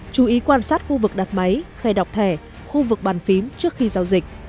chú ý quan sát khu vực đặt máy khai đọc thẻ khu vực bàn phím trước khi giao dịch